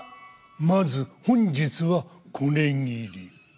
まず本日はこれぎり。